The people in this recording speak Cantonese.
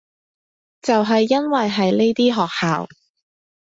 就係因為係呢啲學校